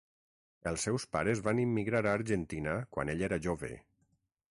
Els seus pares van immigrar a Argentina quan ell era jove.